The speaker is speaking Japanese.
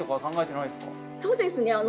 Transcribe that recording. そうですね。